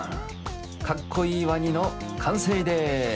かっこいいワニのかんせいです。